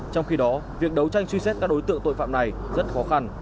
trong khi đó việc đấu tranh truy xét các đối tượng tội phạm này rất khó khăn